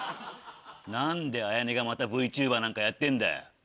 何で綾音がまたＶＴｕｂｅｒなんかやってんだよ。